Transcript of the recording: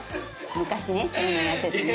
昔ねそういうのもやっててね。